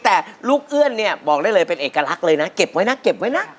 แต่ลูกเอื้อนเนี่ยบอกได้เลยเป็นเอกลักษณ์เลยนะเก็บไว้นะเก็บไว้นะ